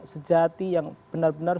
sejati yang benar benar